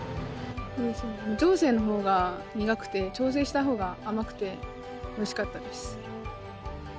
無調整の方が苦くて調整した方が甘くておいしかったです。